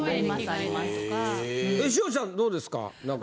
え塩地さんどうですか？